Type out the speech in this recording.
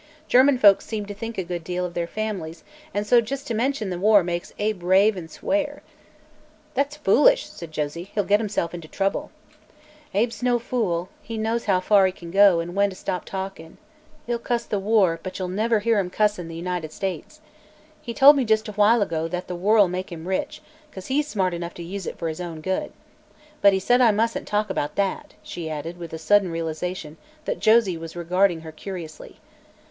German folks seem to think a good, deal of their families, an' so jest to mention the war makes Abe rave an' swear." "That's foolish," said Josie. "He'll get himself into trouble." "Abe's no fool; he knows how far he can go, an' when to stop talkin'. He'll cuss the war, but you never hear him cuss'n' the United States. He told me, just a while ago, that the war'll make him rich, 'cause he's smart enough to use it for his own good. But he said I mustn't talk about that," she added, with a sudden realization that Josie was regarding her curiously.